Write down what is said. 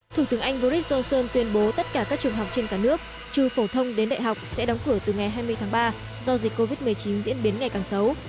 thủ tướng anh boris johnson tuyên bố tất cả các trường học trên cả nước trừ phổ thông đến đại học sẽ đóng cửa từ ngày hai mươi tháng ba do dịch covid một mươi chín diễn biến ngày càng xấu